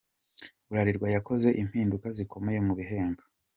Bralirwa yakoze impinduka zikomeye mu bihembo.